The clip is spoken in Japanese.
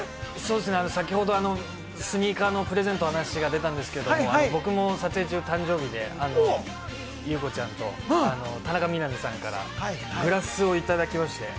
先ほどスニーカーのプレゼントの話が出たんですけど、僕も撮影中、誕生日で、優子ちゃんと、田中みな実さんからグラスをいただきました。